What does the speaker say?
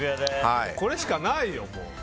これしかないよ、もう。